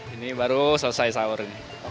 ini baru selesai sahur